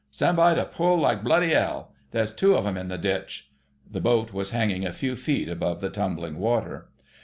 Stan' by to pull like bloody 'ell—there's two of 'em in the ditch...." The boat was hanging a few feet above the tumbling water.